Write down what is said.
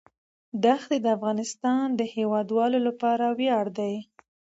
دښتې د افغانستان د هیوادوالو لپاره ویاړ دی.